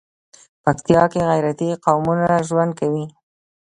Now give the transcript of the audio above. پکتيا کې غيرتي قومونه ژوند کوي.